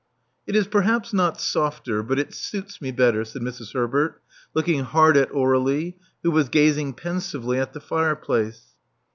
'*It is perhaps not softer; but it suits me better," said Mrs. Herbert, looking hard at Aur^lie, who was gazing pensively at the fireplace.